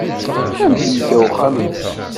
Amek iga uxxam-nnek?